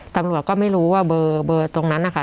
ตำรวจก็ไม่รู้ว่าเบอร์ตรงนั้นนะคะ